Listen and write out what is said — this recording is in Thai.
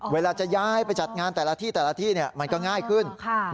เวลาจะย้ายไปจัดงานแต่ละที่มันก็ง่ายขึ้น